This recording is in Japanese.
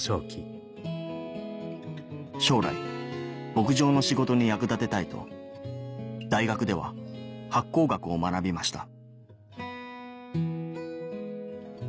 将来牧場の仕事に役立てたいと大学では発酵学を学びました